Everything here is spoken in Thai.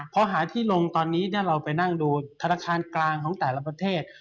เพราะให้หาที่ลงตอนนี้เราไปนั่งดูการธ์กลางของแต่ละประเทศ